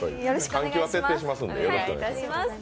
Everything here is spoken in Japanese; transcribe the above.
換気は徹底しますんでよろしくお願いします。